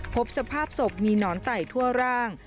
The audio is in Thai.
พบสภาพศพมีหนอนไต่ทั่วร่าง